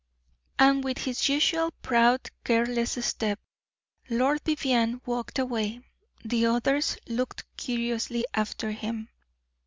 _" And with his usual proud, careless step, Lord Vivianne walked away. The others looked curiously after him.